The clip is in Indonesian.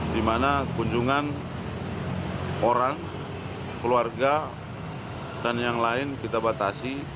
di mana kunjungan orang keluarga dan yang lain kita batasi